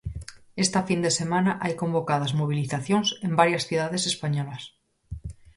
Esta fin de semana hai convocadas mobilizacións en varias cidades españolas.